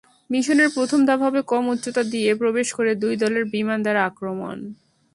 মিশনের প্রথম ধাপ হবে কম উচ্চতা দিয়ে প্রবেশ করে দুই দলের বিমান দ্বারা আক্রমণ।